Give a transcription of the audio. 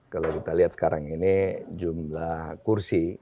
kalau kita lihat sekarang ini jumlah kursi